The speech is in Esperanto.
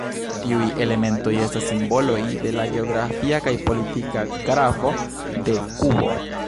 Tiuj elementoj estas simboloj de la geografia kaj politika gravo de Kubo.